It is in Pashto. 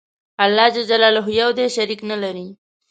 الله ج یو دی شریک نه لری